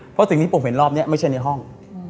เพราะสิ่งที่ผมเห็นรอบนี้ไม่ใช่ในห้อง